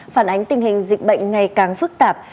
phản ánh tình hình dịch bệnh ngày càng phức tạp